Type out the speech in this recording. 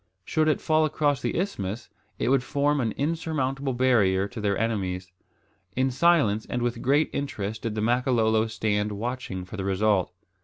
Should it fall across the isthmus, it would form an insurmountable barrier to their enemies. In silence and with intense interest did the Makololo stand watching for the result.